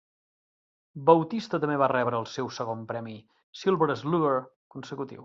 Bautista també va rebre el seu segon premi Silver Slugger consecutiu.